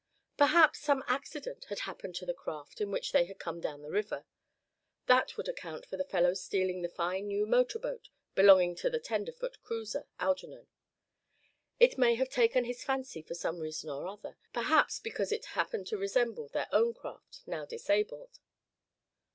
Perhaps some accident had happened to the craft in which they had come down the river. That would account for the fellow stealing the fine new motor boat belonging to the tenderfoot cruiser, Algernon. It may have taken his fancy for some reason or other; perhaps because it happened to resemble their own craft, now disabled.